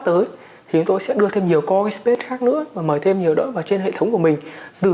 tới thì tôi sẽ đưa thêm nhiều coispace khác nữa và mời thêm nhiều đỡ vào trên hệ thống của mình từ